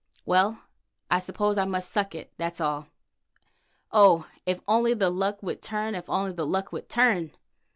Well, I suppose I must suck it, that's all. Oh! if only the luck would turn, if only the luck would turn!"